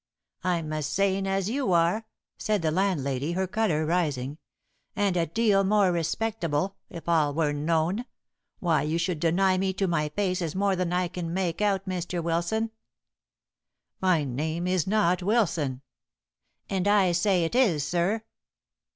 "I'm as sane as you are," said the landlady, her color rising, "and a deal more respectable, if all were known. Why you should deny me to my face is more than I can make out, Mr. Wilson." "My name is not Wilson." "And I say it is, sir."